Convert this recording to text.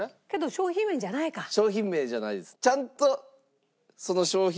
商品名じゃないです。